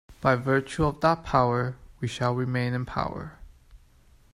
By virtue of that power we shall remain in power.